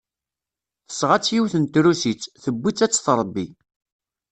Tesɣa-tt yiwet n Trusit, tewwi-tt ad tt-tṛebbi.